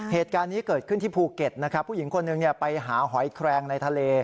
เหตุการณ์นี้เกิดขึ้นที่ภูเก็ตนะครับผู้หญิงคนหนึ่งไปหาหอยแครงในทะเล